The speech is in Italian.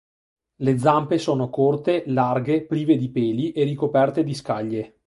Le zampe sono corte, larghe, prive di peli e ricoperte di scaglie.